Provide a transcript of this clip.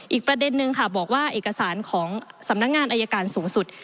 อีกประเด็นนึงค่ะบอกว่าเอกสารของสำนักงานอายการสูงสุด